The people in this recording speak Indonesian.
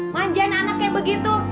manjain anak kayak begitu